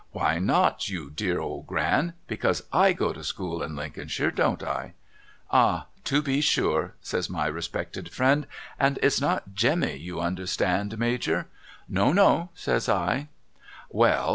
' Why not, you dear old Gran ? Because / go to school in Lincolnshire, don't I ?'' Ah, to be sure !' says my respected friend. ' And it's not Jemmy, you understand, Major ?'' No, no,' says I. 'Well!'